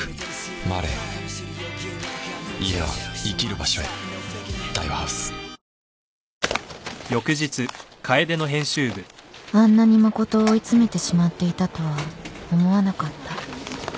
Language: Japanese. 「ＭＡＲＥ」家は生きる場所へあんなに誠を追い詰めてしまっていたとは思わなかった